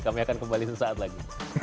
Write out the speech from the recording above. kami akan kembali sesaat lagi